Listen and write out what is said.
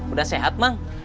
udah sehat mang